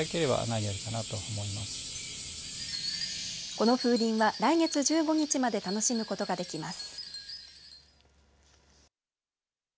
この風鈴は来月１５日まで楽しむことができます。